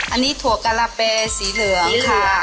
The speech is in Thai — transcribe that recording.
อันนี้ทัวการาเปสีเหลือกาน